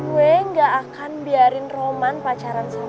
gue gak kan biarin roman pacaran sama wulan